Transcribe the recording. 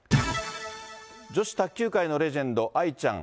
女子卓球界のレジェンド、愛ちゃん。